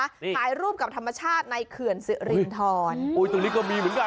ถ่ายรูปกับธรรมชาติในเขื่อนสิรินทรอุ้ยตรงนี้ก็มีเหมือนกัน